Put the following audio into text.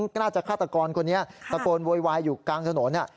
น่าจะฆาตกรคนนี้ตะโกนโวยวายอยู่กลางถนน